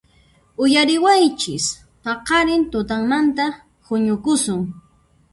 ¡Uyariwaychis! ¡Paqarin tutamantan huñukusun!